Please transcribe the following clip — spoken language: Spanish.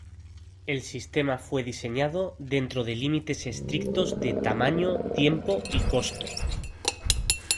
El sistema fue diseñado dentro de límites estrictos de tamaño, tiempo y costo.